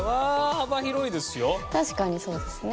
確かにそうですね。